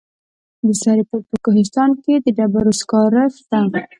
د سرپل په کوهستان کې د ډبرو سکاره شته.